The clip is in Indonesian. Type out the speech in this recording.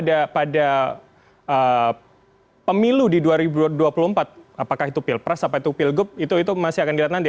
ada pada pemilu di dua ribu dua puluh empat apakah itu pilpres apakah itu pilgub itu masih akan dilihat nanti